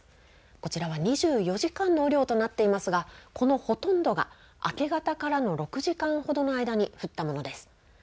こちらは２４時間の雨量となっていますがこのほとんどが明け方からの６時間ほどの間に降ったものです。